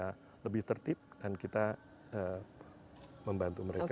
kita lebih tertib dan kita membantu mereka